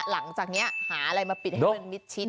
หลังจากนี้หาอะไรมาปิดให้มันมิดชิด